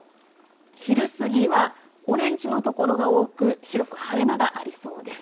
昼過ぎはオレンジの所が多く広く晴れ間がありそうです。